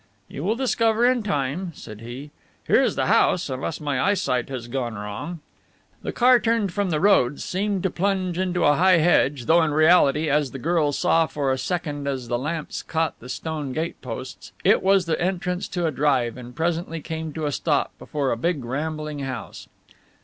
"You will discover in time," said he. "Here is the house, unless my eyesight has gone wrong." The car turned from the road, seemed to plunge into a high hedge, though in reality, as the girl saw for a second as the lamps caught the stone gate posts, it was the entrance to a drive, and presently came to a stop before a big rambling house.